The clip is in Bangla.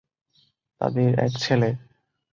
তাঁদের এক ছেলে।